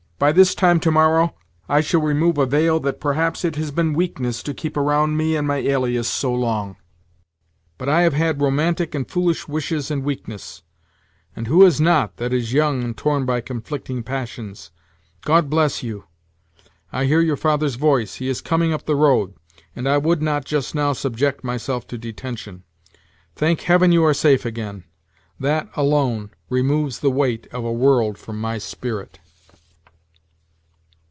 By this time to morrow, I shall remove a veil that perhaps it has been weakness to keep around me and my afffairs so long. But I have had romantic and foolish wishes and weakness; and who has not, that is young and torn by conflicting passions? God bless you! I hear your father's voice; he is coming up the road, and I would not, just now, subject myself to detention. Thank Heaven, you are safe again; that alone removes the weight of a world from my spirit!"